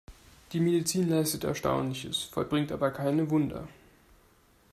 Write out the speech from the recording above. Die Medizin leistet Erstaunliches, vollbringt aber keine Wunder.